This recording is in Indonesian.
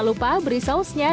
masukkan juga ikan salmon segar